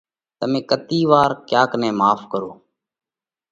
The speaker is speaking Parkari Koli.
تمي ڪتي وار ڪياڪ نئہ ماڦ ڪريوه؟